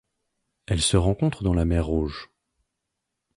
Elle se rencontre dans la mer Rouge.